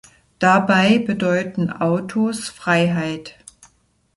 Dabei bedeuten Autos Freiheit.